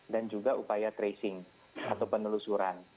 dan juga upaya tracing atau penelusuran